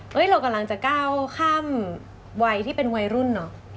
เรากำลังจะก้าวข้ามวัยที่เป็นวัยรุ่นเหรอ